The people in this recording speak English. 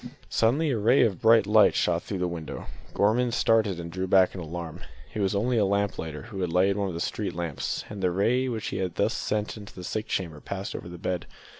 Suddenly a ray of bright light shot through the window. Gorman started and drew back in alarm. It was only a lamp lighter who had lighted one of the street lamps, and the ray which he had thus sent into the sick chamber passed over the bed.